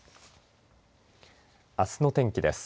あすの天気です。